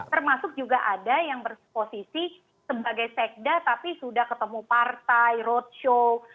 termasuk juga ada yang berposisi sebagai sekda tapi sudah ketemu partai roadshow